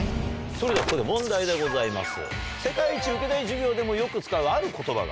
それではここで問題でございます。